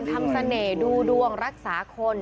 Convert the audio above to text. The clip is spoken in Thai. ทำเสน่ห์ดูดวงรักษาคน